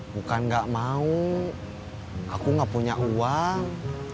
bukan gak mau aku gak punya uang